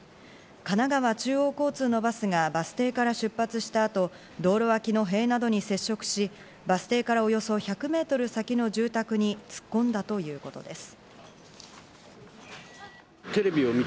神奈川中央交通のバスが、バス停から出発した後、道路脇の塀などに接触し、バス停からおよそ１００メートル先の住宅に突っ込んだということです。